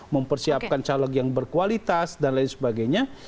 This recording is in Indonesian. mempersiapkan caleg yang berkualitas dan lain sebagainya